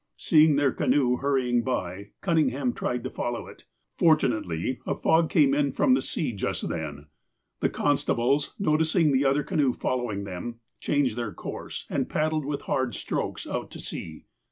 Seeing their canoe hurrying by, Cunning ham tried to follow it. Fortunately, a fog came in from the sea just then. The constables, noticing the other canoe following them, changed their course, and paddled with hard strokes out to sea.